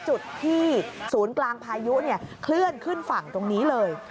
จุดที่ศูนย์กลางพายุเคลื่อนขึ้นฝั่งตรงนี้เลย